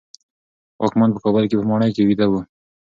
واکمن په کابل کې په ماڼۍ کې ویده و.